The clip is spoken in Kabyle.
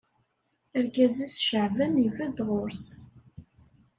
Argaz-is Caɛban ibedd ɣur-s.